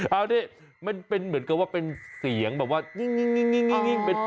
เอาสิมันเหมือนกับว่าเป็นเสียงแบบว่านี่